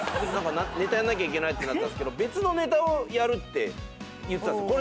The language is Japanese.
ネタやんなきゃいけないってなったんすけど別のネタをやるって言ってたんです。